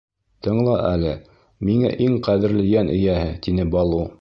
— Тыңла әле, миңә иң ҡәҙерле йән эйәһе, — тине Балу.